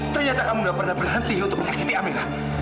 ternyata kamu gak pernah berhenti untuk sakiti amira